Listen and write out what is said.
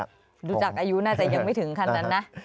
ดูจากอายุน่าจะยังไม่ถึงขั้นนั้นนะ